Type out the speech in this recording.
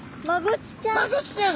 マゴチちゃん！